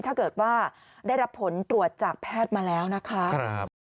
ถ้าเกิดว่าได้รับผลตรวจจากแพทย์มาแล้วนะคะ